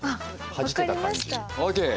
はじけた感じ。ＯＫ！